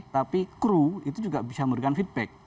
tapi kru itu juga bisa memberikan feedback